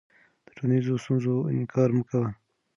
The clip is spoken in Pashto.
د ټولنیزو ستونزو انکار مه کوه.